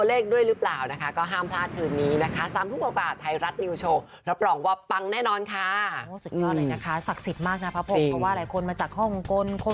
เพราะว่าหลายคนมาจากฮ่องกล